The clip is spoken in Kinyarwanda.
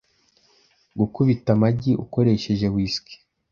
Gukubita amagi ukoresheje whisk .